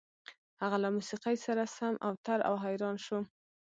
هغه له موسيقۍ سره سم اوتر او حيران شو.